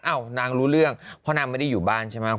นางรู้เรื่องเพราะนางไม่ได้อยู่บ้านใช่ไหม